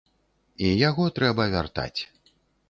І яго трэба вяртаць.